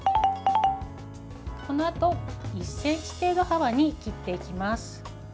このあと、１ｃｍ程度幅に切っていきます。